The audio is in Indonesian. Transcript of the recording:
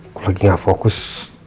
aku lagi gak fokus